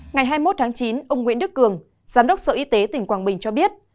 ngày hai mươi một tháng chín ông nguyễn đức cường giám đốc sở y tế tỉnh quảng bình cho biết